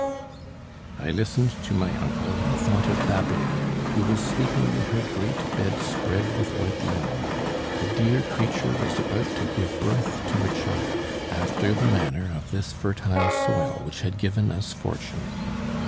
I listened to my uncle and thought of Babet, who was sleeping in her great bed spread with white linen. The dear creature was about to give birth to a child after the manner of this fertile soil which had given us fortune.